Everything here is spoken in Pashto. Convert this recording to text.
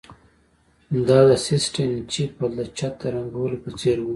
دا د سیسټین چیپل د چت د رنګولو په څیر و